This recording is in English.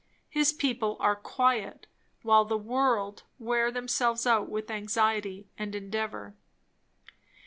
His people are quiet, while the world wear themselves out with anxiety and endeavour.